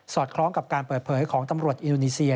คล้องกับการเปิดเผยของตำรวจอินโดนีเซีย